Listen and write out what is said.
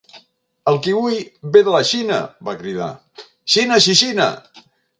El kiwi ve de la Xina! —va cridar— Xina xixina!